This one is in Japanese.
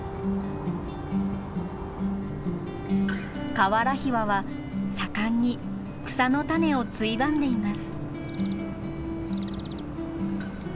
カワラヒワは盛んに草の種をついばんでいます。